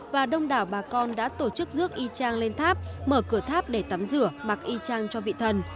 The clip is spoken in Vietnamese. và đông đảo bà con đã tổ chức rước y trang lên tháp mở cửa tháp để tắm rửa mặc y trang cho vị thần